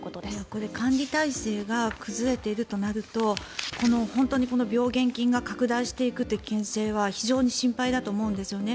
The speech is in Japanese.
これ、管理体制が崩れているとなるとこの病原菌が拡大していくという危険性は非常に心配だと思うんですね。